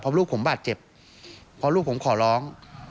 เพราะลูกผมบาดเจ็บเพราะลูกผมขอร้อง